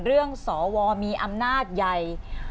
เรื่องสวมีอำนาจใหญ่